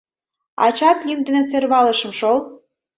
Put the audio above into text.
Ачат лӱм дене сӧрвалышым шол...